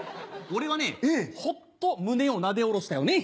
俺はねホッと胸をなで下ろしたよね。